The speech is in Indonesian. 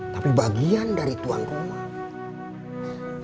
tapi bagian dari tuan rumah